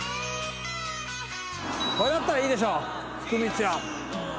これだったらいいでしょ福光屋。